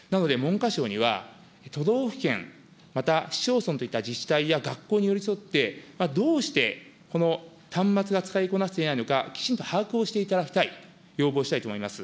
なので、文科省には、都道府県、また市町村といった自治体や学校に寄り添って、どうしてこの端末が使いこなせていないのか、きちんと把握をしていただきたい、要望したいと思います。